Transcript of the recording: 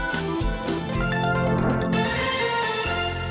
สวัสดีครับ